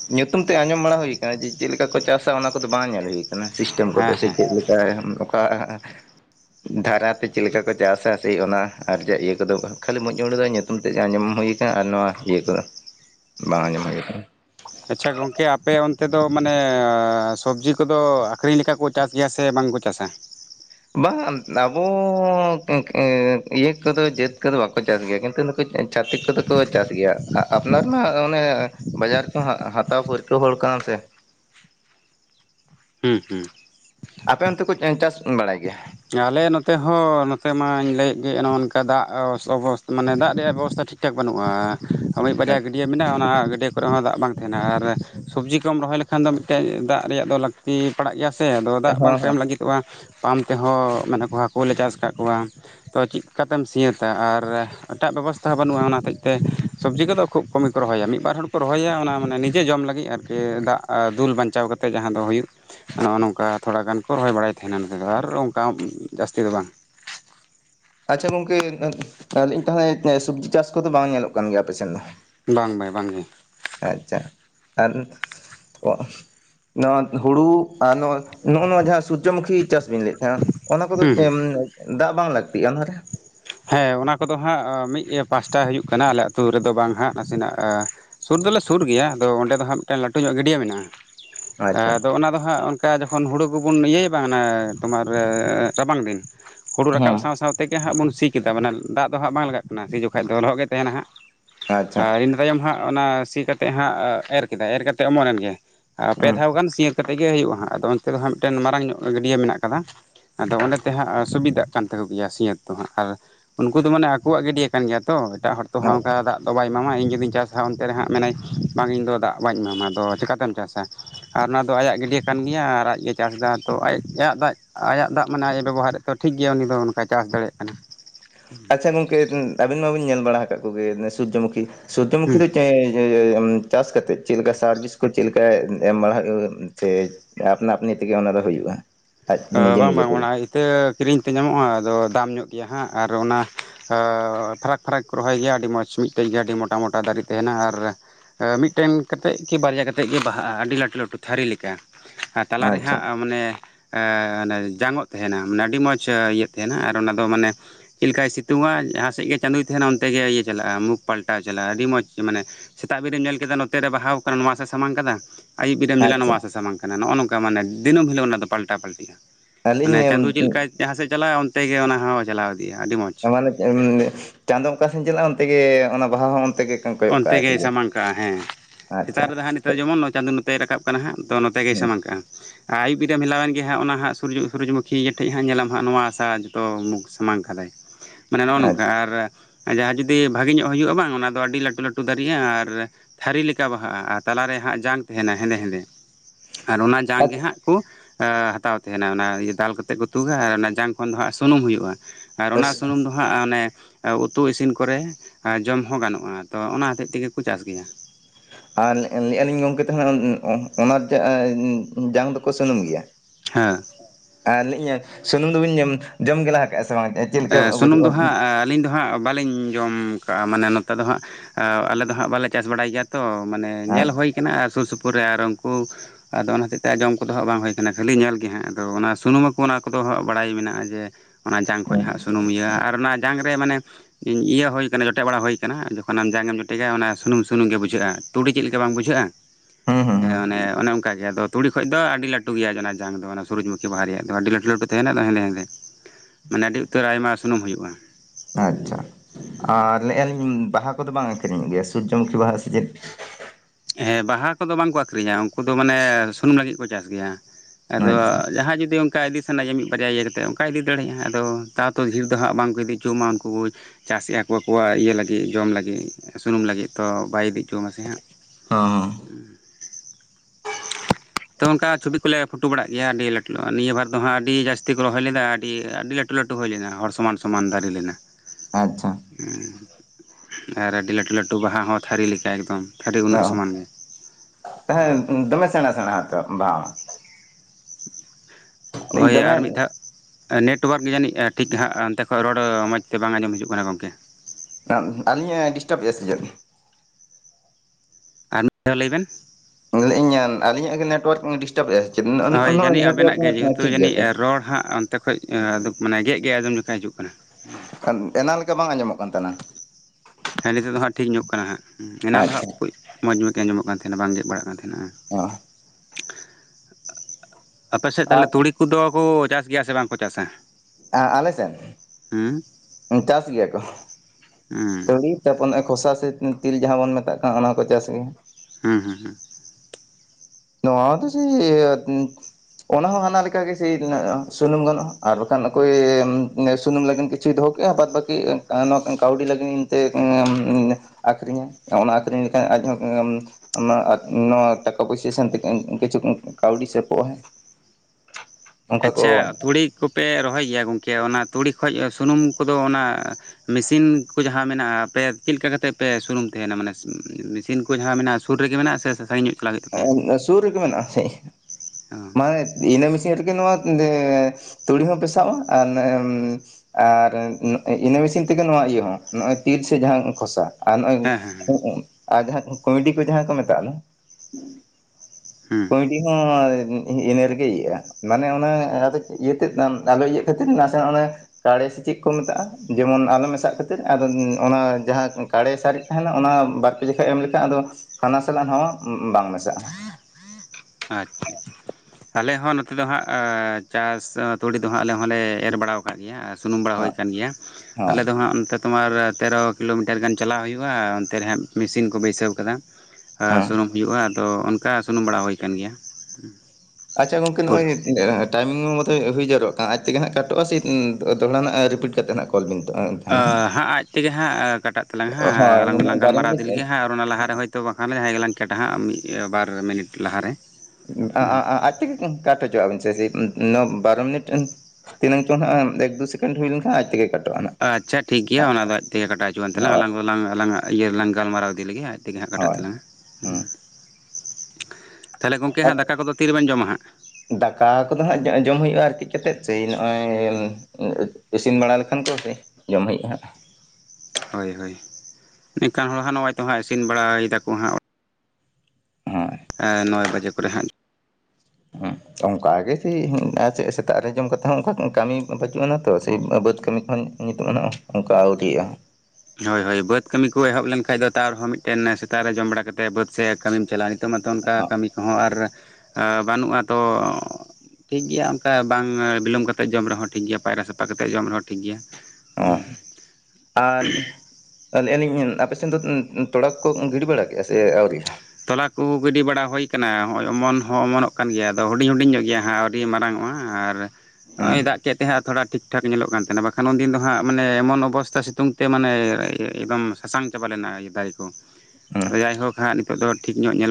ᱧᱩᱛᱩᱢ ᱛᱮᱜ ᱟᱸᱡᱚᱢ ᱵᱟᱲᱟ ᱦᱩᱭ ᱟᱠᱟᱱᱟ ᱡᱮ ᱪᱮᱫ ᱞᱮᱠᱟ ᱠᱚ ᱪᱟᱥᱟ ᱚᱱᱟ ᱠᱚᱫᱚ ᱵᱟᱝ ᱧᱮᱞ ᱦᱩᱭ ᱠᱟᱱᱟ ᱥᱤᱥᱴᱮᱢ ᱠᱚᱫᱚ ᱦᱮᱸ ᱥᱮ ᱦᱮᱸ ᱪᱮᱫ ᱞᱮᱠ ᱠᱟ ᱚᱠᱟ ᱫᱷᱟᱨᱟ ᱛᱮ ᱪᱮᱫ ᱞᱮᱠᱟ ᱠᱚ ᱪᱟᱥᱟ ᱥᱮᱭ ᱚᱱᱟ ᱟᱨ ᱡᱟᱜ ᱤᱭᱟᱹ ᱠᱚᱫᱚ ᱠᱷᱟᱹᱞᱤ ᱢᱩᱡ ᱦᱩᱸᱰᱩ ᱫᱚ ᱧᱩᱛᱩᱢ ᱛᱮᱜ ᱡᱟ ᱟᱸᱡᱚᱢ ᱦᱩᱭᱩ ᱠᱟᱱᱟ ᱟᱨ ᱱᱚᱣᱟ ᱤᱭᱟᱹ ᱠᱚᱫᱚ ᱵᱟᱝ ᱟᱸᱡᱚᱢ ᱦᱩᱭ ᱟᱠᱟᱱᱟ ᱾ ᱟᱪᱪᱷᱟ ᱜᱚᱝᱠᱮ ᱟᱯᱮ ᱚᱱᱛᱮ ᱫᱚ ᱢᱟᱱᱮ ᱥᱚᱵᱽᱡᱤ ᱠᱚᱫᱚ ᱟᱹᱠᱷᱨᱤᱧ ᱞᱮᱠᱟ ᱠᱩ ᱪᱟᱥ ᱜᱮᱭᱟ ᱥᱮ ᱵᱟᱝᱠᱚ ᱪᱟᱥᱟ? ᱵᱟᱝ ᱟᱵᱚ [unintelligible] ᱤᱭᱟᱹ ᱠᱚᱫᱚ ᱡᱟᱹᱛ ᱠᱚᱫᱚ ᱵᱟᱠᱚ ᱪᱟᱥ ᱜᱮᱭᱟ ᱠᱤᱱᱛᱩ ᱠᱟᱡ ᱪᱷᱟᱛᱤᱠ ᱠᱚᱫᱚ ᱠᱚ ᱪᱟᱥ ᱜᱮᱭᱟ ᱟᱯᱱᱟᱨ ᱢᱟ ᱚᱱᱮ ᱵᱟᱡᱟᱨ ᱠᱚ ᱦᱟᱛᱟᱣ ᱯᱟᱹᱨᱠᱟᱹᱣ ᱦᱚᱲ ᱠᱟᱱᱟᱢ ᱥᱮ ᱦᱩᱸ ᱦᱩᱸ ᱟᱯᱮ ᱚᱱᱛᱮ ᱠᱚ ᱪᱟᱥ ᱵᱟᱲᱟᱭ ᱜᱮᱭᱟ? ᱟᱞᱮ ᱱᱚᱛᱮ ᱦᱚᱸ ᱱᱚᱛᱮ ᱢᱟᱧ ᱞᱟᱹᱭᱮᱫ ᱜᱮ ᱱᱚᱜᱚ ᱱᱚᱝᱠᱟ ᱫᱟᱜ ᱚᱵᱚᱥ ᱢᱟᱱᱮ ᱫᱟᱜ ᱨᱮᱭᱟᱜ ᱵᱮᱵᱚᱥᱛᱟᱷᱟ ᱴᱷᱤᱠ ᱴᱷ ᱴᱷᱟᱠ ᱵᱟᱹᱱᱩᱜᱼᱟ ᱢᱤᱫ ᱵᱟᱨᱭᱟ ᱜᱟᱹᱰᱭᱟᱹ ᱢᱮᱱᱟᱜᱼᱟ ᱚᱱᱟ ᱜᱟᱹᱰᱭᱟ. ᱠᱚᱨᱮ ᱦᱚᱸ ᱫᱟᱜ ᱵᱟᱝ ᱛᱟᱦᱮᱱᱟ ᱟᱨ ᱥᱚᱵᱽᱡᱤ ᱠᱚᱢ ᱨᱚᱦᱚᱭ ᱞᱮᱠᱷᱟᱱ ᱫᱚ ᱢᱤᱫᱴᱮᱱ ᱫᱟᱜ ᱨᱮᱭᱟᱜ ᱫᱚ ᱞᱟᱹᱠ ᱛᱤ ᱯᱟᱲᱟᱜ ᱜᱮᱭᱟ ᱥᱮ ᱟᱫᱚ ᱫᱟᱜ ᱦᱚᱸ ᱵᱟᱝᱠᱚ ᱮᱢ ᱦᱚᱸ ᱞᱟᱹᱜᱤᱫᱚᱜᱼᱟ ᱯᱟᱢᱯ ᱛᱮᱦᱚᱸ ᱢᱟᱱᱮ ᱠᱚ ᱦᱟᱹᱠᱮ ᱪᱟᱥ ᱟᱠᱟᱫ ᱠᱚᱣᱟ ᱛᱚ ᱪᱮᱫ ᱠᱟᱛᱮᱢ ᱥᱤᱭᱟᱹᱛᱟ? ᱟᱨ ᱮᱴᱟᱜ ᱵᱮᱵᱚᱥᱛᱷᱟ ᱦᱚᱸ ᱵᱟᱹᱱᱩᱜᱼᱟ ᱚᱱᱟ ᱦᱚᱛᱮᱡ ᱛᱮ ᱥᱚᱵᱽᱡᱤ ᱠᱚᱫᱚ ᱠᱷᱩᱵ ᱠᱚᱢ ᱜᱤ ᱠᱚ ᱨᱚᱦᱚᱭᱟ ᱢᱤᱫ ᱵᱟᱨ ᱦᱚᱲ ᱠᱚ ᱨᱚᱦᱚᱭᱟ ᱚᱱᱟ ᱢᱟᱱᱮ ᱱᱤᱡᱮ ᱡᱚᱢ ᱞᱟᱹᱜᱤᱫ ᱟᱨᱠᱤ ᱫᱟᱜ ᱫᱩᱞ ᱵᱟᱧᱪᱟᱣ ᱠᱟᱛᱮ ᱡᱟᱦᱟᱸ ᱫᱚ ᱦᱩᱭᱩᱜ ᱱᱚᱜᱼᱚ ᱱᱚᱝᱠᱟ ᱛᱷᱚᱲᱟ ᱜᱟᱱ ᱠᱚ ᱨᱚᱦᱚᱭ ᱵᱟᱲᱟᱭ ᱛᱟᱦᱮᱱᱟ ᱱᱚᱛᱮ ᱫᱚ ᱟᱨ ᱚᱱᱠᱟ ᱡᱟᱹᱥᱛᱤ ᱫᱚ ᱵᱟᱝ᱾ ᱟᱪᱪᱷᱟ ᱜᱚᱝᱠᱮ ᱟᱹᱞᱤᱧ ᱛᱟᱦᱞᱮ ᱥᱚᱵᱡᱤ ᱪᱟᱥ ᱠᱚᱫᱚ ᱵᱟᱝ ᱧᱮᱞᱚᱜ ᱠᱟᱱ ᱜᱮᱭᱟ ᱟᱯᱮ ᱥᱮᱱ ᱫᱚ? ᱵᱟᱝ ᱵᱷᱟᱭ ᱵᱟᱝ ᱵᱷᱟᱭ ᱟᱪᱪᱷᱟ ᱟᱨ ᱚ ᱱᱚᱣᱟ ᱦᱩᱲᱩ ᱟᱨ ᱱᱚᱜᱚᱭ ᱱᱚᱜ‌- ᱱᱟᱱᱚᱣᱟ ᱡᱟᱦᱟᱸ ᱥᱩᱨᱡᱚᱢᱩᱠᱷᱤ ᱪᱟᱥ ᱵᱤᱱ ᱞᱮᱜ ᱛᱟᱦᱮᱸᱜ-ᱟ ᱚᱱᱟ ᱠᱚᱫᱚ ᱦᱮᱸ ᱫᱟᱜ ᱵᱟᱝ ᱞᱟᱹᱠᱛᱤᱜᱼᱟ ᱚᱱᱟᱨᱮ? ᱦᱮᱸ ᱚᱱᱟ ᱠᱚᱫᱚ ᱦᱟᱸᱜ ᱢᱤᱫ ᱯᱟᱥᱴᱟ ᱦᱩᱭᱩᱜ ᱠᱟᱱᱟ ᱟᱞᱮ ᱟᱹᱛᱩ ᱨᱮᱫᱚ ᱵᱟᱝ ᱦᱟᱜ ᱱᱟᱥᱮᱱᱟᱜ. ᱟᱻ ᱥᱩᱨ ᱫᱚᱞᱮ ᱥᱩᱨ ᱜᱮᱭᱟ ᱟᱫᱚ ᱚᱸᱰᱮ ᱫᱚ ᱦᱟᱸᱜ ᱢᱤᱫᱴᱮᱱ ᱞᱟᱹᱴᱩ ᱧᱚᱜ ᱜᱟᱹᱰᱭᱟᱹ ᱢᱮᱱᱟᱜᱼᱟ ᱟᱪᱪᱷᱟ ᱟᱫᱚ ᱚᱱᱟ ᱫᱚ ᱦᱟᱸᱜ ᱠᱟ ᱡᱚᱠᱷᱚᱱ ᱦᱩᱲᱳ ᱠᱳᱵᱳᱱ ᱤᱭᱟᱹᱭ ᱵᱟᱝ ᱚᱱᱟ ᱛᱳᱢᱟᱨ ᱨᱟᱵᱟᱝ ᱫᱤᱱ ᱦᱩᱲᱳ ᱨᱟᱠᱟᱵ ᱦᱮᱸ ᱥᱟᱶ ᱥᱟᱶ ᱛᱮᱜᱮ ᱦᱟᱸᱜ ᱵᱚᱱ ᱥᱤ ᱠᱮᱛᱟᱵᱚᱱᱟ ᱫᱟᱜᱽ ᱫᱚ ᱦᱟᱸᱜ ᱵᱟᱝ ᱞᱟᱜᱟᱜ ᱠᱟᱱᱟ ᱥᱤ ᱡᱚᱠᱷᱟ ᱫᱚ ᱞᱚᱦᱚᱜ ᱜᱮ ᱛᱮᱦᱮᱱᱟ ᱟᱪᱪᱷᱟ ᱦᱟᱸᱜ ᱛᱟᱭᱚᱢ ᱦᱟᱸᱜ ᱚᱱᱟ ᱥᱤ ᱠᱟᱛᱮ ᱦᱟᱸᱜ ᱮᱨ ᱠᱮᱫᱟᱭ ᱮᱨ ᱠᱟᱛᱮ ᱚᱢᱚᱱ-ᱮᱱ ᱜᱮ ᱯᱮ ᱦᱮᱸ ᱫᱷᱟᱣ ᱜᱟᱱ ᱥᱤ ᱠᱟᱛᱮ ᱜᱮ ᱦᱩᱭᱩᱜᱼᱟ ᱦᱟᱜ ᱟᱫᱚ ᱚᱱᱛᱮ ᱫᱚ ᱦᱟᱸᱜ ᱢᱤᱜᱴᱮᱱ ᱢᱟᱨᱟᱝ ᱧᱚᱜ ᱜᱟᱹᱰᱤᱭᱟᱹ ᱢᱮᱱᱟᱜ ᱠᱟᱫᱟ ᱟᱫᱚ ᱚᱸᱰᱮ ᱛᱮ ᱦᱟᱸᱜ ᱥᱩᱵᱤᱫᱟᱜ ᱠᱟᱱ ᱛᱟᱠᱚ ᱜᱮᱭᱟ ᱥᱤᱸᱧᱚᱛ ᱫᱚ ᱦᱟᱸᱜ ᱟᱨ ᱩᱱᱠᱩ ᱫᱚ ᱢᱟᱱᱮ ᱟᱠᱚᱣᱟᱜ ᱜᱤᱰᱤᱭᱟ ᱠᱟᱱ ᱜᱮᱭᱟ ᱛᱚ ᱮᱴᱟᱜ ᱦᱚᱲ ᱛᱚ ᱦᱟᱸᱜ ᱚᱱᱠᱟ ᱫᱟᱜ ᱛᱚ ᱵᱟᱭ ᱮᱢᱟᱢᱟ ᱤᱧ ᱡᱩᱫᱤᱧ ᱪᱟᱥᱟ ᱚᱱᱛᱮ ᱨᱮ ᱦᱟᱸᱜ ᱢᱮᱱᱟᱭ ᱵᱟᱝ ᱤᱧ ᱫᱚ ᱫᱟᱜ ᱵᱧ ᱮᱢᱟᱢᱟ ᱟᱫᱚ ᱪᱤᱠᱟᱛᱮᱢ ᱪᱟᱥᱟ ᱟᱨ ᱱᱚᱣᱟ ᱫᱚ ᱟᱭᱟᱜ ᱜᱤᱰᱤᱭᱟ ᱠᱟᱱ ᱜᱮᱭᱟ ᱟᱨ ᱟᱡᱜᱮ ᱪᱟᱥ ᱫᱟ ᱟᱫᱚ ᱟᱡ ᱟᱭᱟᱜ ᱫᱟᱜᱽ ᱢᱟᱱᱮ ᱟᱡ ᱮ ᱵᱮᱵᱚᱦᱟᱨᱮᱜ ᱛᱚ ᱴᱷᱤᱠ ᱜᱮᱭᱟ ᱩᱱᱤ ᱫᱚ ᱚᱱᱠᱟᱭ ᱪᱟᱥ ᱫᱟᱲᱮᱭᱟᱜ ᱠᱟᱱᱟ ᱟᱪᱪᱷᱟ ᱜᱚᱝᱠᱮ ᱟᱵᱤᱱ ᱢᱟᱵᱤᱱ ᱧᱮᱞ ᱵᱟᱲᱟ ᱟᱠᱟᱫ ᱠᱚᱜᱮ ᱥᱩᱨᱡᱚᱢᱩᱠᱷᱤ ᱦᱮᱸ ᱥᱩᱨᱡᱚᱢᱩᱠᱷᱤ ᱫᱚ ᱮᱻ ᱩᱸ ᱫᱟᱥ ᱠᱟᱛᱮᱪᱤᱜ ᱪᱤᱜ ᱞᱮᱠᱟ ᱥᱟᱨᱵᱤᱥ ᱠᱚ ᱪᱮᱜ ᱞᱮᱠᱟᱭ ᱮᱢ ᱵᱟᱲᱟ ᱮᱸᱻ ᱟᱯᱱᱟ ᱟᱯᱱᱤ ᱛᱮᱜᱮ ᱚᱱᱟ ᱫᱚ ᱦᱩᱭᱩᱜᱼᱟ ᱟᱡ ᱱᱤᱡᱮ ᱵᱟᱝ ᱱᱤᱡᱮ ᱵᱟᱝ ᱛᱮᱜᱮ ᱚᱱᱟ ᱤᱛᱟᱹ ᱠᱤᱨᱤᱧ ᱛᱮ ᱧᱟᱢᱚᱜᱼᱟ ᱟᱫᱚ ᱫᱟᱢ ᱧᱚᱜ ᱜᱮᱭᱟ ᱦᱟᱸᱜ ᱟᱨ ᱚᱱᱟ ᱯᱷᱟᱨᱟᱠᱼᱯᱷᱟᱨᱟᱠ ᱠᱚ ᱨᱚᱦᱚᱭ ᱜᱮᱭᱟ ᱟᱹᱰᱤ ᱢᱚᱸᱡᱽ ᱢᱤᱫᱴᱮᱡ ᱜᱮ ᱟᱹᱰᱤ ᱢᱳᱴᱟ ᱢᱳᱴᱟ ᱫᱟᱨᱮ ᱛᱟᱦᱮᱱᱟ ᱟᱨ ᱢᱤᱫᱴᱮᱱ ᱠᱟᱛᱮᱫ ᱠᱤ ᱵᱟᱨᱭᱟ ᱠᱟᱛᱮᱫ ᱜᱮ ᱵᱟᱦᱟᱜᱼᱟ ᱟᱹᱰᱤ ᱞᱟᱹᱴᱩ ᱞᱟᱹᱴᱩ ᱛᱷᱟᱹᱨᱤ ᱞᱮᱠᱟ ᱛᱟᱞᱟ ᱨᱮ ᱟᱪᱪᱷᱟ ᱦᱟᱸᱜ ᱢᱟᱱᱮ ᱡᱟᱸᱝ ᱚᱜ ᱛᱟᱦᱮᱱᱟ ᱢᱟᱱᱮ ᱟᱹᱰᱤ ᱢᱚᱡᱽ ᱤᱭᱟᱹᱜ ᱛᱟᱦᱮᱱᱟ ᱟᱨ ᱚᱱᱟ ᱫᱚ ᱢᱟᱱᱮ ᱪᱮᱫ ᱞᱮᱠᱟᱭ ᱥᱤᱛᱩᱝᱼᱟ ᱡᱟᱦᱟᱸ ᱥᱮᱫ ᱜᱮ ᱪᱟᱸᱫᱳᱭ ᱛᱟᱦᱮᱱᱟ ᱚᱱᱛᱮ ᱜᱮ ᱤᱭᱟ. ᱪᱟᱞᱟᱜ ᱼᱟ ᱢᱩᱠᱷ ᱯᱟᱞᱴᱟᱣ ᱪᱟᱞᱟᱜᱼᱟ ᱟᱹᱰᱤ ᱢᱚᱸᱡᱽ ᱢᱟᱱᱮ- ᱥᱮᱛᱟᱜ ᱵᱮ ᱨᱮᱢ ᱧᱮᱞ ᱠᱮᱫᱟ ᱱᱚᱛᱮ ᱨᱮ ᱵᱟᱦᱟ ᱟᱠᱟᱱᱟ ᱱᱚᱣᱟ ᱥᱮᱫ ᱥᱟᱢᱟᱝ ᱠᱟᱫᱟ ᱟᱹᱭᱩᱵ ᱵᱮᱨᱟᱢ ᱧᱮᱞᱟ ᱟᱪᱪᱷᱟ ᱱᱚᱣᱟ ᱥᱮᱜ ᱥᱟᱢᱟᱝ ᱠᱟᱱᱟ ᱱᱚᱜᱼᱚ ᱱᱚᱝᱠᱟ ᱢᱟᱱᱮ ᱫᱤᱹᱱᱟᱢ ᱦᱤᱞᱳᱜ ᱚᱱᱟᱫᱚ ᱯᱟᱞᱴᱟ ᱯᱟᱞᱴᱤᱜᱼᱟ ᱢᱟᱱᱮ ᱟᱹᱞᱤᱧ ᱮᱢ ᱪᱟᱸᱫᱳ ᱪᱮᱫᱞᱮᱠᱟᱭ ᱡᱟᱦᱟᱸ ᱥᱮᱫ ᱪᱟᱞᱟᱜᱼᱟ ᱚᱱᱛᱮ ᱜᱮ ᱚᱱᱟ ᱦᱚᱸ ᱪᱟᱞᱟᱣ ᱤᱫᱤᱜᱼᱟ ᱟᱹᱰᱤ ᱢᱚᱸᱡᱽ ᱢᱟᱱᱮ ᱪᱟᱸᱫ ᱚᱠᱟᱥᱱ ᱪᱟᱞᱟᱜᱼᱟ ᱚᱱᱛᱮ ᱜᱮ ᱚᱱᱟ ᱵᱟᱦᱟ ᱦᱚᱸ ᱚᱱᱛᱮ ᱜᱮ ᱠᱚᱭᱚᱜ ᱚᱱᱛᱮ ᱠᱟᱜᱼᱟᱭ ᱥᱮ ᱜᱮᱭ ᱪᱮᱫ ᱥᱟᱢᱟᱝ ᱠᱟᱜᱼᱟ ᱦᱮᱸ ᱟᱪᱪᱷᱟ ᱥᱮᱛᱟᱜ ᱨᱮᱫᱚ ᱦᱟᱸᱜ ᱱᱤᱛᱚᱜ ᱡᱮᱢᱚᱱ ᱪᱟᱸᱫᱳ ᱯᱮ ᱨᱟᱠᱟᱵ ᱠᱟᱱᱟ ᱦᱟᱸᱜ ᱛᱚ ᱱᱚᱛᱮ ᱜᱮᱭ ᱦᱮᱸ ᱥᱟᱢᱟᱝ ᱠᱟᱜᱼᱟ᱾ ᱟᱨ ᱟᱹᱭᱩᱵ ᱵᱮᱨᱮᱢ ᱦᱮᱞᱟᱣ ᱮᱱ ᱜᱮ ᱦᱟᱸᱜ ᱥᱩᱨᱚᱡᱚᱢᱩᱠᱷᱤ ᱡᱤᱭᱟᱹ ᱴᱷᱮᱡ ᱦᱟᱜ ᱧᱮᱞᱟᱢ ᱦᱟᱸᱜ ᱱᱚᱣᱟ ᱟᱥᱟ ᱡᱚᱛᱚ ᱢᱩᱠᱷ ᱥᱟᱢᱟᱝ ᱠᱟᱫᱟᱭ ᱾ ᱢᱟᱱᱮ ᱱᱚᱜᱼᱚ ᱱᱚᱝᱠᱟ ᱟᱪᱪᱷᱟ ᱟᱨ ᱡᱟᱦᱟᱸ ᱡᱩᱫᱤ ᱵᱷᱟᱜᱮ ᱧᱚᱜ ᱦᱩᱭᱩᱜᱼᱟ ᱵᱟᱝ ᱚᱱᱟ ᱫᱚ ᱟᱹᱰᱤ ᱞᱟᱹᱴᱩ ᱞᱟᱹᱴᱤ ᱞᱟᱹᱴᱩ ᱫᱟᱨᱮᱜᱼᱟ ᱟᱨ ᱛᱷᱟᱹᱨᱤ ᱞᱮᱠᱟ ᱵᱟᱦᱟᱜᱼᱟ ᱟᱨ ᱛᱟᱞᱟᱨᱮ ᱦᱟᱸᱜ ᱡᱟᱝ ᱛᱟᱦᱮᱱᱟ ᱦᱮᱸᱫᱮ ᱦᱮᱸᱫᱮ᱾ ᱟᱨ ᱚᱱᱟ ᱡᱟᱝᱜ ᱜᱮ ᱦᱟᱸᱜ ᱠᱚ ᱦᱟᱛᱟᱣ ᱛᱟᱦᱮᱱᱟ ᱚᱱᱟ ᱫᱟᱞ ᱠᱟᱛᱮᱫ ᱠᱚ ᱛᱩᱫᱟ ᱟᱨ ᱚᱱᱟ ᱡᱟᱝ ᱠᱷᱚᱱ ᱫᱚ ᱦᱟᱸᱜ ᱥᱩᱱᱩᱢ ᱦᱩᱭᱩᱜᱼᱟ᱾ ᱟᱨ ᱚᱱᱟ ᱟᱪᱪᱷᱟ ᱥᱩᱱᱩᱢ ᱫᱚ ᱦᱟᱸᱜ ᱚᱱᱮ ᱩᱛᱩ ᱤᱥᱤᱱ ᱠᱚᱨᱮ ᱡᱚᱢ ᱦᱚᱸ ᱜᱟᱱᱚᱜᱼᱟ ᱛᱚ ᱚᱱᱟ ᱦᱚᱛᱮᱜ ᱛᱮᱜᱮ ᱠᱚ ᱪᱟᱥ ᱜᱮᱭᱟ ᱟᱨ ᱞᱟᱹᱭᱮᱫᱼᱟ ᱞᱤᱧ ᱜᱚᱝᱠᱮ [inaudible] ᱛᱟᱦᱮᱱᱟ ᱚᱱᱟ ᱛᱮ ᱡᱟᱝ ᱫᱚ ᱠᱚ ᱥᱩᱱᱩᱢ ᱜᱮᱭᱟ ᱦᱮᱸ ᱱᱤ ᱤᱭᱟᱹ ᱥᱩᱱᱩᱢ ᱫᱚᱵᱤᱱ ᱧᱮᱢ ᱡᱚᱢ ᱜᱮ ᱞᱟᱦᱟ ᱞᱮᱜ ᱟᱥᱮ ᱵᱟᱝ [unintelligible] ᱥᱩᱱᱩᱢ ᱵᱩᱡᱷᱟᱹᱜᱼᱟ ᱫᱚ ᱦᱟᱸᱜ ᱟᱹᱞᱤᱧ ᱫᱚ ᱦᱟᱸᱜ ᱵᱟᱹᱞᱤᱧ ᱡᱚᱢ ᱠᱟᱜᱼᱟ ᱾ ᱢᱟᱱᱮ ᱱᱚᱛᱮ ᱫᱚ ᱦᱟᱸᱜ ᱟᱞᱮᱫ ᱫᱚ ᱦᱟᱸᱜ ᱵᱟᱞᱮ ᱪᱟᱥ ᱵᱟᱲᱟᱭ ᱜᱮᱭᱟ ᱛᱚ ᱢᱟᱱᱮ ᱟᱪᱪᱷᱟ ᱧᱮᱞ ᱦᱩᱭᱠᱟᱱᱟ ᱟᱨ ᱥᱩᱨ ᱥᱩᱯᱩᱨ ᱨᱮ ᱟᱨ ᱩᱱᱠᱩ ᱟᱫᱚ ᱚᱱᱟ ᱦᱚᱛᱮᱡ ᱛᱮ ᱡᱚᱢ ᱠᱚᱫᱚ ᱦᱟᱸᱜ ᱵᱟᱝ ᱦᱩᱭ ᱠᱟᱱᱟ ᱠᱷᱟᱹᱞᱤ ᱧᱮᱞ ᱜᱮ ᱦᱟᱸᱜ ᱟᱫᱚ ᱚᱱᱟ ᱥᱩᱱᱩᱢ ᱟᱠᱚ ᱚᱱᱟ ᱠᱚᱫᱚ ᱦᱟᱸᱜ ᱵᱟᱲᱟᱭ ᱢᱮᱱᱟᱜᱼᱟ ᱡᱮ ᱚᱱᱟ ᱡᱟᱝ ᱠᱷᱚᱡ ᱦᱩᱸ ᱦᱟᱸᱜ ᱥᱩᱱᱩᱢ ᱤᱭᱟᱹᱼᱟ ᱟᱨ ᱚᱱᱟ ᱡᱟᱝ ᱨᱮ ᱢᱟᱱᱮ- -ᱤᱭᱟᱹ ᱦᱩᱭ ᱠᱟᱱᱟ ᱡᱚᱴᱮᱫ ᱵᱟᱲᱟ ᱦᱩᱭ ᱟᱠᱟᱱᱟ ᱡᱚᱠᱷᱚᱱ ᱟᱢ ᱡᱟᱝᱮᱢ ᱡᱚᱴᱮᱜ ᱜᱮᱭᱟ ᱚᱱᱟ ᱥᱩᱱᱩᱢ ᱥᱩᱱᱩᱢ ᱜᱮ ᱵᱩᱡᱷᱟᱹᱜᱼᱟ ᱛᱩᱲᱤ ᱪᱮᱫ ᱞᱮᱠᱟ ᱵᱟᱝ ᱵᱩᱡᱷᱟᱹᱜᱼᱟ ᱦᱩᱸ ᱦᱩᱸ ᱦᱮ ᱚᱱᱮ ᱚᱱᱮ ᱚᱱᱠᱟ ᱜᱮ ᱟᱫᱚ -ᱛᱩᱲᱤ ᱠᱷᱚᱡ ᱫᱚ ᱟᱹᱰᱤ ᱞᱟᱹᱴᱩ ᱜᱮᱭᱟ ᱚᱱᱟ ᱡᱟᱝ ᱫᱚ ᱚᱱᱟ ᱥᱩᱨᱩᱡᱽᱢᱠᱷᱤ ᱵᱟᱦᱟ ᱨᱮᱭᱟᱜ ᱫᱚ‌᱾ ᱟᱹᱰᱤ ᱞᱟᱹᱴᱩ ᱞᱟᱹᱴᱩ ᱛᱟᱦᱮᱱᱟ ᱟᱫᱚ ᱦᱮᱸᱫᱮ ᱦᱮᱸᱫᱮ ᱢᱟᱱᱮ ᱟᱹᱰᱤ ᱩᱛᱟᱹᱨ ᱟᱭᱢᱟ ᱥᱩᱱᱩᱢ ᱦᱩᱭᱩᱼᱟ᱾ ᱟᱪᱪᱷᱟ ᱟᱨ ᱞᱟᱹᱭᱮᱜᱼᱟ ᱞᱤᱧ ᱵᱟᱦᱟ ᱠᱚᱫᱚ ᱵᱟᱝ ᱟᱹᱠᱷᱨᱤᱧᱚᱜ ᱜᱮᱭᱟ ᱥᱩᱨᱡᱚᱢᱩᱠᱷᱤ ᱵᱟᱦᱟ ᱥᱮ ᱪᱮᱫ? ᱦᱮᱸ ᱵᱟᱦᱟ ᱠᱚᱫᱚ ᱵᱟᱝᱠᱚ ᱟᱹᱷᱨᱤᱧᱟ ᱩᱱᱠᱩ ᱫᱚ ᱢᱟᱱᱮ ᱥᱩᱱᱩᱢ ᱞᱟᱹᱜᱤᱫ ᱠᱚ ᱪᱟᱥ ᱜᱮᱭᱟ᱾ ᱟᱫᱚ ᱟᱪᱪᱷᱟ ᱡᱟᱦᱟᱸᱭ ᱡᱩᱫᱤ ᱚᱱᱠᱟ ᱤᱫᱤ ᱥᱟᱱᱟᱭᱟ ᱢᱤᱫ ᱵᱟᱨᱭᱟ ᱤᱭᱟᱹ ᱠᱟᱛᱮᱫ ᱚᱱᱠᱟᱭ ᱤᱫ ᱫᱟᱲᱮᱭᱟᱜᱼᱟ᱾ ᱟᱫᱚ ᱛᱟᱣ ᱛᱚ ᱫᱷᱤᱨ ᱫᱚ ᱦᱟᱸᱜ ᱵᱟᱝᱠᱚ ᱤᱫᱤ ᱚᱪᱚᱣᱟᱢᱟ ᱩᱱᱠᱩ ᱪᱟᱥᱤ ᱟᱠᱚ ᱠᱚᱣᱟᱜ ᱤᱭᱟᱹ ᱞᱟᱹᱜᱤᱫ ᱡᱚᱢ ᱞᱟᱹᱜᱤᱫ ᱥᱩᱱᱩᱢ ᱞᱟᱹᱜᱤᱫ ᱛᱚ ᱵᱟᱭ ᱤᱫᱤᱜ ᱪᱩᱣᱟᱢᱟ ᱥᱮ ᱦᱟᱸᱜ ᱦᱚᱸ ᱦᱚᱸ ᱦᱮᱸ [inaudible] ᱛᱚ ᱚᱝᱠᱟ ᱪᱷᱩᱵᱤ ᱠᱚᱞᱮ ᱯᱷᱳᱴᱳ ᱵᱟᱲᱟᱜ ᱜᱮᱭᱟ ᱟᱹᱰᱤ ᱞᱟᱹᱴᱩ ᱱᱤᱭᱟᱹ ᱵᱟᱨ ᱫᱚ ᱦᱟᱸᱜ ᱟᱹᱰᱤ ᱡᱟᱹᱥᱛᱤ ᱠᱚ ᱨᱚᱦᱚᱭ ᱞᱮᱫᱟ ᱟᱹᱰᱤ ᱟᱹᱰᱤ ᱞᱟᱹᱴᱩ ᱞᱟᱹᱴᱩ ᱞᱟᱹᱴᱩ ᱦᱩᱭ ᱞᱮᱱᱟ ᱦᱚᱲ ᱥᱚᱢᱟᱱ ᱥᱚᱢᱟᱱ ᱫᱟᱨᱮ ᱞᱮᱱᱟ᱾ ᱟᱪᱪᱷᱟ ᱟᱨ ᱟᱹᱰᱤ ᱞᱟᱹᱴᱩ ᱞᱟᱹᱴᱩ ᱵᱟᱦᱟ ᱦᱚᱸ ᱛᱷᱟᱹᱨᱤ ᱞᱮᱠᱟ ᱮᱠᱫᱚᱢ ᱛᱷᱟᱨᱤᱤ ᱩᱱᱟᱹᱜ ᱚ ᱥᱟᱢᱟᱱ ᱜᱮ ᱦᱮᱸ ᱫᱚᱢᱮ ᱥᱮᱬᱟ ᱥᱮᱬᱟ ᱦᱟᱛᱟᱣ ᱵᱟᱝ ᱤᱧ ᱦᱳᱭ ᱫᱚᱢᱮ ᱟᱨ ᱢᱤᱫ ᱫᱷᱟᱣ ᱱᱮᱴᱚᱣᱟᱨᱠ ᱜᱮ ᱡᱟᱹᱱᱤᱡ ᱴᱷᱤᱠ ᱦᱟᱸᱜ ᱚᱱᱛᱮ ᱠᱷᱚᱡ ᱨᱚᱲ ᱢᱚᱡᱽ ᱛᱮ ᱵᱟᱝ ᱟᱸᱡᱚᱢ ᱦᱤᱡᱩᱜ ᱠᱟᱱᱟ ᱜᱚᱝᱠᱮ ᱟᱹᱞᱤᱧᱟᱜ ᱮ ᱰᱤᱥᱴᱟᱵ ᱮᱜᱼᱟ ᱥᱮ ᱪᱮᱫ? ᱟᱨ ᱢᱤᱫ ᱫᱷᱟᱣ ᱞᱟᱹᱭ ᱵᱮᱱ ᱢᱮᱱᱮᱜᱼᱟ ᱞᱟᱧ ᱟᱞᱤᱧᱟᱜ ᱜᱮ ᱱᱮᱴᱳᱣᱟᱨᱠ ᱰᱤᱥᱴᱟᱵ ᱮᱜ ᱟᱭ ᱦᱳᱭ ᱡᱟᱹᱱᱤᱡ ᱟᱵᱮᱱᱟᱜ ᱜᱮ ᱡᱮᱦᱮᱛᱩ ᱡᱟᱹᱱᱤᱡ ᱛᱚ? ᱨᱚᱲ ᱦᱟᱸᱜ ᱚᱱᱛᱮ ᱠᱷᱚᱡ ᱢᱟᱱᱮ ᱜᱮᱫᱼᱜᱮᱫ ᱟᱫᱚᱢ ᱡᱚᱠᱷᱮᱡ ᱦᱤᱡᱩᱜ ᱠᱟᱱᱟ ᱮᱱᱟᱝ ᱞᱮᱠᱟ ᱵᱟᱝ ᱟᱸᱡᱚᱢᱚᱜ ᱠᱟᱱ ᱛᱟᱦᱮᱱᱟ ᱦᱮᱸ ᱱᱤᱛᱚᱜ ᱫᱚ ᱦᱟᱸᱜ ᱴᱷᱤᱠ ᱧᱚᱜ ᱠᱟᱱᱟ ᱦᱟᱸᱜ ᱮᱱᱟᱝ ᱫᱚ ᱦᱟᱸᱜ ᱟᱪᱪᱷᱟ ᱢᱚᱸᱡᱽ ᱧᱚᱸᱜ ᱛᱮ ᱟᱸᱡᱚᱢᱚᱜ ᱠᱟᱱ ᱛᱟᱦᱮᱸᱱᱟ ᱵᱟᱝ ᱜᱮᱫ ᱵᱟᱲᱟᱜ ᱠᱟᱱ ᱛᱟᱦᱮᱱᱟ ᱚ ᱟᱯᱮᱥᱮᱫ ᱛᱟᱦᱚᱞᱮ ᱛᱩᱲᱤ ᱠᱚᱫᱚ ᱠᱚ ᱪᱟᱥ ᱜᱮᱭᱟ ᱥᱮ ᱵᱟᱠᱚ ᱪᱟᱥᱼᱟ? ᱟ ᱟᱞᱮ ᱥᱮᱱ ᱦᱩᱸ ᱪᱟᱥ ᱜᱮᱭᱟ ᱠᱚ ᱦᱩᱸ ᱛᱩᱲᱤ? ᱛᱟᱨᱯᱚᱨ ᱱᱚᱜ-ᱚᱭ ᱠᱷᱚᱥᱞᱟ ᱥᱮ ᱛᱤᱞ ᱡᱟᱦᱟᱸ ᱵᱚᱱ ᱢᱮᱛᱟᱜ ᱠᱟᱱ ᱚᱱᱟ ᱦᱚᱸᱠᱚ ᱪᱟᱥ ᱜᱮᱭᱟ ᱦᱩᱸ ᱦᱩᱸ ᱦᱩᱸ ᱱᱚᱣᱟ ᱛᱚ [unintelligible] ᱚᱱᱟ ᱦᱚᱸ ᱦᱟᱱᱟ ᱞᱮᱠᱟᱜᱮ ᱥᱮ ᱥᱩᱱᱩᱢ ᱜᱟᱱᱚᱜ-ᱟ ᱟᱨ ᱵᱟᱠᱷᱟᱱ ᱚᱠᱚᱭ ᱥᱩᱱᱩᱢ [inaudible] ᱥᱩᱫᱷᱩ ᱠᱮᱜᱼᱟ ᱵᱟᱫᱵᱟᱠᱤ ᱟᱱᱟ ᱠᱟᱹᱶᱰᱤ ᱞᱟᱹᱜᱤᱝ ᱛᱮ ᱚᱝ ᱟᱠᱷᱨᱤᱧᱟ ᱚᱱᱟ ᱟᱠᱷᱨᱤᱧ ᱞᱮᱠᱷᱟᱱ ᱟᱡᱦᱚᱸ ᱱᱚᱣᱟ ᱴᱟᱠᱟ ᱯᱩᱭᱥᱟ. ᱠᱤᱪᱷᱩ ᱠᱟᱹᱣᱰᱤ ᱥᱮᱯᱚᱜ-ᱟ ᱟᱪᱪᱷᱟ ᱛᱩᱲᱤ ᱠᱚᱯᱮ ᱨᱚᱦᱚᱭ ᱜᱮᱭᱟ ᱜᱚᱢᱠᱮ ᱚᱱᱟ ᱛᱩᱲᱤ ᱠᱷᱚᱡ ᱥᱩᱱᱩᱢ ᱠᱚᱫᱚ ᱚᱱᱟ ᱢᱮᱥᱤᱱ ᱠᱚ ᱡᱟᱦᱟᱸ ᱢᱮᱱᱟᱜ-ᱟ ᱟᱯᱮ ᱪᱮᱫ ᱞᱤᱠᱟ ᱠᱟᱛᱮᱜ ᱯᱮ ᱥᱩᱱᱩᱢ ᱛᱟᱦᱮᱱᱟ ᱢᱟᱱᱮ ᱢᱮᱥᱤᱱ ᱠᱚ? ᱩᱱ ᱡᱟᱦᱟᱸ ᱢᱮᱱᱟᱜ-ᱟ ᱥᱩᱨ ᱨᱮᱜᱮ ᱢᱮᱱᱟᱜ-ᱟ ᱥᱮ ᱥᱟᱸᱜᱤᱧ ᱧᱚᱜ? ᱪᱟᱞᱟᱜ ᱦᱩᱭᱩᱜ ᱛᱟᱯᱮᱭᱟ ᱥᱩᱨ ᱨᱮᱜ ᱢᱮᱱᱟᱜ-ᱟ ᱥᱮ ᱚ ᱢᱟᱱᱮ ᱤᱱᱟᱹ ᱢᱮᱥᱤᱱ ᱨᱮᱜᱮ ᱱᱚᱣᱟ ᱮᱸ ᱛᱩᱲᱤ ᱦᱚᱸ ᱯᱮᱥᱟᱣᱼᱟ ᱟᱨ ᱮᱸᱼᱼ ᱟᱨ ᱤᱱᱟᱹ ᱢᱮᱥᱤᱱ ᱛᱮᱜᱮ ᱱᱚᱣᱟ ᱤᱭᱟᱹ ᱦᱚᱸ ᱱᱚᱜᱼᱚᱭ ᱛᱤᱞ ᱥᱮ ᱡᱟᱦᱟᱸ ᱠᱷᱚᱥᱟ᱾ ᱟᱨ ᱦᱮᱸ ᱦᱮᱸ ᱱᱚᱜ-ᱚᱭ ᱟᱨ ᱡᱟᱦᱟᱸ ᱠᱚᱭᱰᱤ ᱠᱚ ᱡᱟᱦᱟᱸ ᱠᱚ ᱢᱮᱛᱟᱜ ᱫᱚ᱾ ᱦᱮᱸ ᱠᱚᱭᱰᱤ ᱦᱚᱸ ᱤᱱᱟᱹ ᱨᱮᱜᱮ ᱤᱭᱟᱹᱜᱼᱟ ᱢᱟᱱᱮ ᱚᱱᱟ ᱤᱭᱟᱹ ᱛᱮᱜ ᱟᱞᱚ ᱤᱭᱟᱹᱜ ᱠᱷᱟᱹᱛᱤᱨ ᱱᱟᱥᱮᱱᱟᱜ ᱚᱱᱟ ᱠᱟᱲᱮ ᱥᱮ ᱪᱮᱜ ᱠᱚ ᱢᱮᱛᱟᱜᱼᱟ ᱡᱮᱢᱚᱱ ᱟᱞᱚ ᱢᱮᱥᱟᱜ ᱠᱷᱟᱹᱛᱤᱨ ᱟᱫᱚ ᱚᱱᱟ ᱡᱟᱦᱟᱸ ᱠᱟᱲᱮ ᱥᱟᱨᱮᱡ ᱛᱟᱦᱮᱱᱟ ᱚᱱᱟ ᱵᱟᱨ ᱯᱮ ᱯᱤᱡᱟ ᱠᱷᱟᱱ ᱮᱢ ᱞᱮᱠᱷᱟᱱ ᱟᱫᱚ ᱦᱟᱱᱟ ᱥᱟᱞᱟᱜ ᱱᱟᱣᱟ ᱵᱟᱝ ᱢᱮᱥᱟᱜᱼᱟ᱾ ᱟᱪᱪᱷᱟ ᱟᱞᱮ ᱦᱚᱸ ᱱᱚ ᱱᱚᱛᱮᱫ ᱫᱚ ᱦᱟᱸᱜ ᱪᱟᱥ ᱛᱩᱲᱤ ᱫᱚ ᱦᱟᱸᱜ ᱟᱞᱮ ᱦᱚᱸᱞᱮ ᱮᱨ ᱵᱟᱲᱟᱣ ᱠᱟᱜ ᱜᱮᱭᱟ ᱥᱩᱱᱩᱢ ᱵᱟᱲᱟ ᱦᱩᱭ ᱠᱟᱱ ᱜᱮᱭᱟ ᱟᱞᱮ ᱦᱳᱭ ᱫᱚ ᱦᱟᱸᱜ ᱚᱱᱛᱮ ᱛᱳᱢᱟᱨ ᱛᱮᱨᱚ ᱠᱤᱞᱳᱢᱤᱴᱟᱨ ᱜᱟᱱ ᱪᱟᱞᱟᱜ ᱦᱩᱭᱩᱜᱼᱟ ᱚᱱᱛᱮ ᱨᱮᱦᱟᱸᱜ ᱢᱮᱥᱤᱱ ᱠᱚ ᱵᱟᱹᱭᱥᱟᱹᱣ ᱟᱠᱟᱫᱟ᱾ ᱦᱟ ᱦᱮᱸ ᱥᱩᱱᱩᱢ ᱦᱩᱭᱩᱜᱼᱟ ᱟᱫᱚ ᱚᱱᱠᱟ ᱥᱩᱱᱩᱢ ᱵᱟᱲᱟ ᱦᱩᱭ ᱠᱟᱱ ᱜᱮᱭᱟ᱾ ᱟᱪᱪᱷᱟ ᱜᱚᱝᱠᱮ ᱱᱚᱜ-ᱚᱭ ᱛᱩᱲᱤ ᱠᱚ ᱴᱟᱭᱢᱤᱢ ᱢᱟ ᱢᱚᱛᱚ ᱦᱩᱭ ᱡᱟᱣᱨᱚᱜ ᱠᱟᱱ ᱟᱡ ᱛᱮᱜᱮ ᱦᱟᱸᱜ ᱠᱟᱴᱚᱜᱼᱟ ᱥᱮ ᱫᱚᱦᱲᱟ ᱱᱟᱦᱟᱜ ᱨᱤᱯᱤᱴ ᱠᱟ ᱠᱟᱛᱮ ᱱᱟᱦᱟᱜ ᱟ ᱦᱟᱸᱜ ᱟᱡ ᱛᱮᱜᱮ ᱦᱟᱸᱜ ᱠᱟᱴᱟᱜ ᱛᱟᱞᱟᱝ ᱦᱟᱸᱜ ᱦᱳᱭ ᱟᱞᱟᱝ ᱱᱚᱣᱟ ᱫᱚᱞᱟᱝ ᱵᱟᱨᱚ ᱜᱟᱞᱢᱟᱨᱟᱣ ᱢᱤᱱᱤᱴ ᱤᱫᱤ ᱞᱮᱜᱮ ᱦᱟᱸᱜ ᱟᱨ ᱚᱱᱟ ᱞᱟᱦᱟ ᱨᱮ ᱦᱚᱭ ᱛᱚ ᱵᱟᱠᱷᱟᱱ ᱡᱟᱦᱟᱸᱭ ᱜᱮᱞᱟᱝ ᱠᱮᱴᱟ ᱦᱟᱜ ᱢᱤᱫ ᱵᱟᱨ ᱢᱤᱱᱤᱴ ᱞᱟᱦᱟᱨᱮ᱾ ᱟᱼᱟᱼᱟ ᱟᱡ ᱛᱮᱜᱮ ᱠᱟᱴ ᱦᱚᱪᱚᱣᱟᱱ ᱵᱤᱱ ᱥᱮ ᱵᱟᱨ ᱢᱤᱱᱤᱴ᱾ ᱛᱤᱱᱚᱝ ᱪᱚ ᱱᱟᱜ ᱮᱠ-ᱫᱩ ᱥᱮᱠᱮᱱᱰ ᱦᱩᱭ ᱞᱮᱠᱷᱟᱱ ᱟᱡ ᱛᱮᱜᱮ ᱠᱚᱴᱚᱜ᱾ ᱟᱪᱪᱷᱟ ᱴᱷᱤᱠ ᱜᱮᱭᱟ ᱚᱱᱟᱫᱚ ᱟᱡ ᱛᱮᱜᱮ ᱠᱟᱴᱟ ᱦᱚᱪᱚᱣᱟᱱ ᱛᱟᱞᱟᱝ ᱦᱳᱭ ᱟᱞᱟᱝ ᱦᱚᱞᱟᱝ ᱤᱭᱟᱹ ᱨᱮᱞᱟᱝ ᱜᱟᱞᱟᱨᱟᱣ ᱤᱫᱤ ᱞᱮᱜᱮ᱾ ᱛᱮᱜᱮ ᱦᱟᱸᱜ ᱠᱟᱴᱟᱜ ᱦᱳᱭ ᱛᱟᱞᱟᱝᱟ, ᱦᱩᱸ ᱛᱟᱦᱞᱮ ᱜᱚᱝᱠᱮ ᱟᱨ ᱦᱟᱸᱜ ᱫᱟᱠᱟ ᱠᱚᱫᱚ ᱛᱤᱨᱮᱵᱮᱱ ᱡᱚᱢᱟ ᱦᱟᱸᱜ? ᱫᱟᱠᱟ ᱠᱚᱫᱚ ᱦᱟᱸᱜ ᱡᱚᱢ ᱦᱩᱭᱩᱜᱼᱟ ᱟᱨ ᱠᱟᱹᱡ ᱠᱟᱛᱮᱫ ᱥᱮᱭ ᱱᱚᱜᱼᱚᱭ ᱤᱥᱤᱱ ᱵᱟᱲᱟ ᱞᱮᱠᱷᱟᱱ ᱠᱚ ᱦᱟᱜ ᱡᱚᱢ ᱦᱩᱭᱩᱜᱼᱟ ᱦᱟᱸᱜ᱾ ᱦᱳᱭ ᱦᱳᱭ ᱮᱱᱠᱟᱱ ᱦᱚᱲ ᱦᱟᱸᱜ ᱱᱚᱜᱼᱚᱭ ᱛᱚ ᱦᱟᱸᱜ ᱤᱥᱤᱱ ᱵᱟᱲᱟᱭ ᱫᱟᱠᱚ ᱦᱟᱸᱜ᱾ ᱦᱳᱭ ᱟ ᱱᱚᱭ ᱵᱟᱡᱮ ᱠᱚᱨᱮ ᱦᱟᱸᱜ᱾ ᱚᱝᱠᱟ ᱜᱮ ᱥᱮ ᱟᱨ ᱥᱮᱛᱟᱜ ᱨᱮ ᱡᱚᱢ ᱠᱟᱛᱮᱫ ᱦᱚᱸ ᱚᱱᱠᱟ ᱠᱟᱹᱢᱤ ᱵᱟᱹᱪᱩᱜ ᱟᱱᱟ ᱛᱚ ᱥᱮ ᱵᱟᱹᱫᱽ ᱠᱟᱹᱢᱤ ᱠᱚᱦᱚᱸ ᱱᱤᱛᱚᱜ‌ ᱢᱟ ᱚᱱᱠᱟ ᱟᱣᱨᱤᱭᱟᱜᱼᱟ᱾ ᱦᱳᱭ ᱦᱳᱭ ᱵᱟᱹᱫᱽ ᱠᱟᱹᱢᱤ ᱠᱚ ᱮᱦᱚᱵ ᱞᱮᱱᱠᱷᱟᱡ ᱫᱚ ᱛᱟᱣ ᱟᱨᱦᱚᱸ ᱢᱤᱫᱴᱮᱱ ᱥᱮᱛᱟᱜ ᱨᱮ ᱡᱚᱢ ᱵᱟᱲᱟ ᱠᱟᱛ ᱛᱮ ᱵᱟᱹᱫᱽ ᱥᱮ ᱠᱟᱹᱢᱤᱢ ᱪᱟᱞᱟᱜᱼᱟ ᱱᱤᱛᱚᱜ ᱢᱟᱛᱚ ᱚᱝᱠᱟ ᱠᱟᱹᱢᱤ ᱠᱚᱦᱚᱸ ᱟᱨ ᱵᱟᱹᱱᱩᱜᱼᱟ ᱛᱚ᱾ ᱴᱷᱤᱠᱜᱮᱭᱟ ᱚᱱᱠᱟ ᱵᱟᱝ ᱵᱤᱞᱚᱢ ᱠᱟᱛᱮᱫ ᱡᱚᱢ ᱨᱮᱦᱚᱸ ᱴᱷᱤᱠ ᱜᱮᱭᱟ ᱯᱟᱭᱨᱟ ᱥᱟᱯᱷᱟ ᱠᱟᱛᱮ ᱡᱚᱢ ᱨᱮᱦᱚᱸ ᱴᱷᱤᱠ ᱜᱮᱭᱟ ᱚ ᱦᱩᱸ᱾ ᱟᱨ [unintelligible] ᱟᱞᱤᱧ ᱟᱯᱮᱥᱮᱫ ᱫᱚ ᱛᱚᱲᱟ ᱠᱚ ᱜᱤᱰᱤ ᱵᱟᱲᱟ ᱠᱮᱜᱼᱟ ᱥᱮ ᱟᱹᱣᱨᱤ? ᱛᱚᱞᱟ ᱠᱚᱦᱚᱸ ᱜᱟᱹᱰᱤ ᱵᱟᱲᱟ ᱦᱩᱭ ᱟᱠᱟᱱᱟ ᱱᱚᱜᱼᱚᱭ ᱚᱢᱚᱱ ᱦᱚᱸ ᱚᱢᱚᱱᱚᱜ ᱠᱟᱱ ᱜᱮᱭᱟ ᱟᱫᱚ ᱦᱩᱰᱤᱧ ᱦᱩᱰᱤᱧ ᱧᱚᱜ ᱜᱮᱭᱟ ᱦᱟᱸᱜ᱾ ᱟᱹᱰᱤ ᱢᱟᱨᱟᱝᱚᱜᱼᱟ ᱟᱨ ᱦᱩᱸ ᱱᱚᱜᱼᱚᱭ ᱫᱟᱜ ᱠᱮᱫ ᱛᱮᱦᱟᱸ ᱛᱷᱚᱲᱟ ᱴᱷᱤᱠ ᱴᱷᱟᱠ ᱧᱮᱞᱚᱜ ᱠᱟᱱ ᱛᱟᱦᱮᱱᱟ ᱵᱟᱠᱷᱟᱱ ᱩᱱᱫᱤᱱ ᱫᱚ ᱦᱟᱸᱜ ᱢᱟᱱᱮ ᱮᱢᱚᱱ ᱚᱵᱚᱥᱛᱟ ᱥᱤᱛᱩᱝ ᱛᱮ ᱢᱟᱱᱮ ᱮᱠᱫᱚᱢ ᱥᱟᱥᱟᱝ ᱪᱟᱵᱟ ᱞᱮᱱᱟ ᱫᱟᱨᱮ ᱠᱚ ᱦᱩᱸ ᱟᱫᱚ ᱡᱟᱭᱦᱳᱠ ᱦᱟᱸᱜ ᱱᱤᱛᱚᱜ ᱫᱚ ᱴᱷᱤᱠ ᱧᱮᱞ ᱧᱮ